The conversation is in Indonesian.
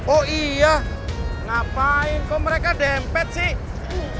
oh iya ngapain kok mereka dempet sih